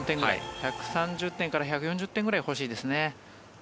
１３０点から１４０点ぐらいは欲しいですね。